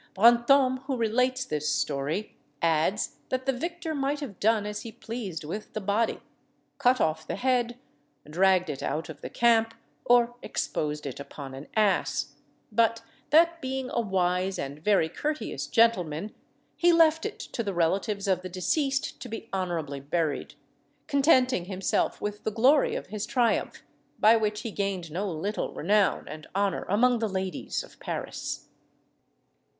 Brantôme, who relates this story, adds, that the victor might have done as he pleased with the body, cut off the head, dragged it out of the camp, or exposed it upon an ass; but that being a wise and very courteous gentleman, he left it to the relatives of the deceased to be honourably buried, contenting himself with the glory of his triumph, by which he gained no little renown and honour among the ladies of Paris.